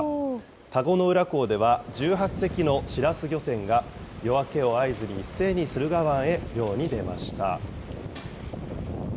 田子の浦港では１８隻のシラス漁船が、夜明けを合図に一斉に駿河湾へ漁に出ました。